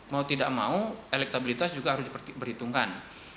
mau tidak mau elektabilitas juga harus diperhitungkan